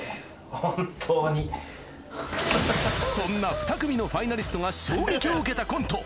本当にそんな２組のファイナリストが衝撃を受けたコント